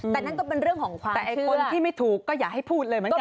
แต่นั่นก็เป็นเรื่องของความแต่ไอ้คนที่ไม่ถูกก็อย่าให้พูดเลยเหมือนกัน